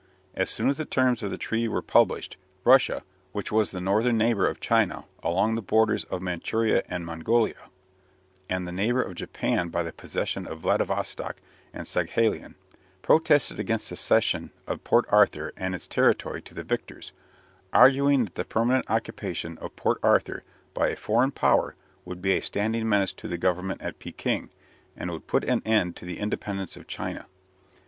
As soon as the terms of the treaty were published, Russia, which was the northern neighbour of China along the borders of Manchuria and Mongolia, and the neighbour of Japan by the possession of Vladivostock and Saghalien, protested against the cession of Port Arthur and its territory to the victors, arguing that the permanent occupation of Port Arthur by a foreign Power would be a standing menace to the Government at Pekin, and would put an end to the independence of China.